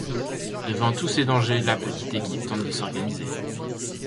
Devant tous ces dangers la petite équipe tente de s’organiser...